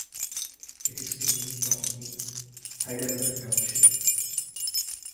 It is the main town in Heidelberg Township.